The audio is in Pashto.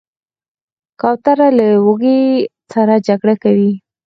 کوتره له لوږې سره جګړه کوي.